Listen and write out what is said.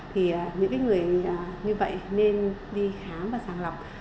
thì những người như vậy nên đi khám và sàng lọc